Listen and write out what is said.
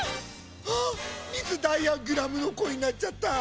あっミス・ダイヤグラムのこえになっちゃった。